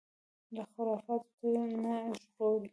له خرافاتو نه ژغوري